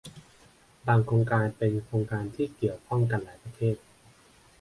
บางโครงการเป็นโครงการที่เกี่ยวข้องกันหลายประเทศ